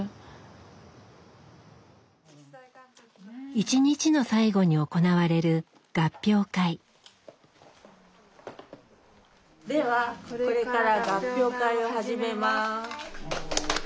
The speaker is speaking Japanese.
一日の最後に行われるではこれから合評会を始めます。